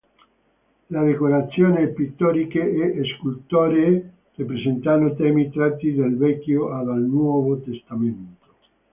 Le decorazioni pittoriche e scultoree rappresentano temi tratti dal Vecchio e dal Nuovo Testamento.